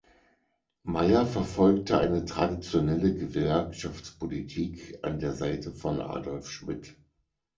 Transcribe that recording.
Meyer verfolgte eine traditionelle Gewerkschaftspolitik an der Seite von Adolf Schmidt.